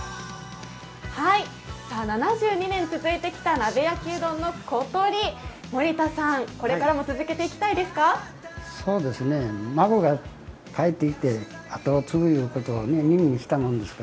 ７２年続いてきた鍋焼うどんのことり、森田さん、これからも続けていきたいですか？